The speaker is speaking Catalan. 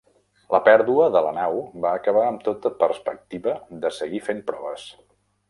La pèrdua de la nau va acabar amb tota perspectiva de seguir fent proves.